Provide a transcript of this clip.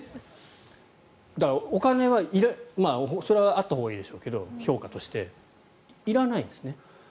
だから、お金はそれは評価としてあったほうがいいでしょうけどいらないんですね。